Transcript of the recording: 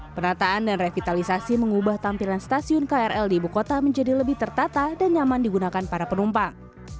penataan dan revitalisasi mengubah tampilan stasiun krl di ibu kota menjadi lebih tertata dan nyaman digunakan para penumpang